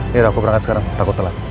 lir aku perangkat sekarang takut telat